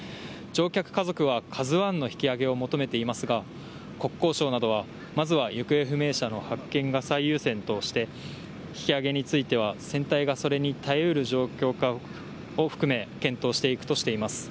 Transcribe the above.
乗客、家族はＫＡＺＵ１の引き揚げを求めていますが国交省などはまずは行方不明者の発見が最優先として引き揚げについては船体がそれに耐えうる状況かを含め検討していくとしています。